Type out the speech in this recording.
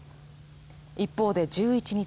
一方で１１日